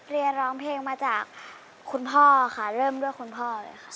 เรียนร้องเพลงมาจากคุณพ่อค่ะเริ่มด้วยคุณพ่อเลยค่ะ